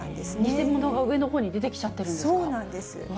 偽物が上のほうに出てきちゃそうなんです。